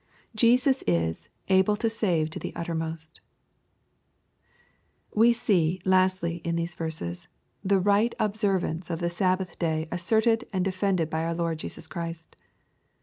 Jesus is " able to save to the uttermost/' We see, lastly, in these verses, the right observance <^ the Sabbath day asserted and defended by our Lord Jesui Christ.